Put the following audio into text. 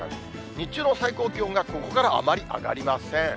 日中の最高気温がここからあまり上がりません。